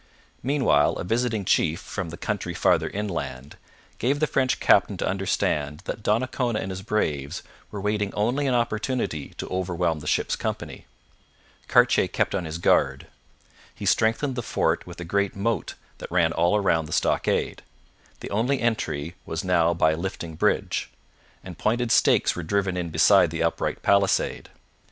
Meanwhile a visiting chief, from the country farther inland, gave the French captain to understand that Donnacona and his braves were waiting only an opportunity to overwhelm the ships' company. Cartier kept on his guard. He strengthened the fort with a great moat that ran all round the stockade. The only entry was now by a lifting bridge; and pointed stakes were driven in beside the upright palisade.